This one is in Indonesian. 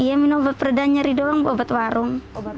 iya minum obat perda nyeri doang buat warung